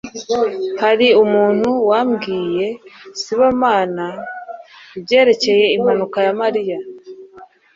Hari umuntu wabwiye Sibomana ibyerekeye impanuka ya Mariya?